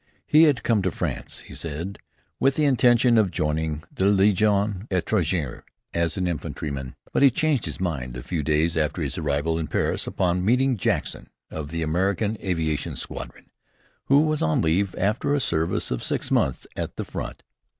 He had come to France, he said, with the intention of joining the Légion Étrangère as an infantryman. But he changed his mind, a few days after his arrival in Paris, upon meeting Jackson of the American Aviation Squadron, who was on leave after a service of six months at the front.